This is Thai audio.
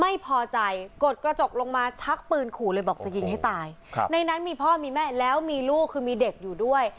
ไม่พอใจกดกระจกลงมาชักปืนขู่เลยบอกจะยิงให้ตายครับในนั้นมีพ่อมีแม่แล้วมีลูกคือมีเด็กอยู่ด้วย